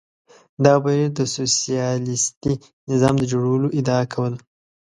دغه بهیر د سوسیالیستي نظام د جوړولو ادعا کوله.